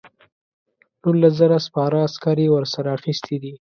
نولس زره سپاره عسکر یې ورسره اخیستي دي.